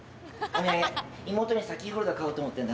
妹にキーホルダー買おうと思ってんだ。